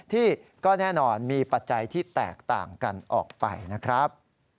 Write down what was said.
ที่ก็แน่นอนมีปัจจัยที่แตกต่างกันออกไปนะครับ